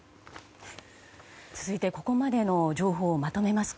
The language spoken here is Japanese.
続いて、ここまでの情報をまとめます。